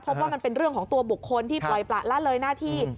มันเป็นเรื่องของตัวบุคคลที่ปล่อยประละเลยหน้าที่